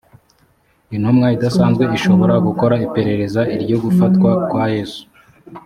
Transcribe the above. intumwa idasanzwe ishobora gukora iperereza iryo gufatwa kwa yesu